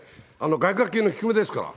外角系の低めですから。